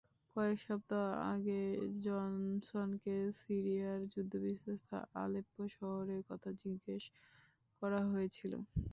কয়েক সপ্তাহ আগে জনসনকে সিরিয়ার যুদ্ধবিধ্বস্ত আলেপ্পো শহরের কথা জিজ্ঞেস করা হয়েছিল।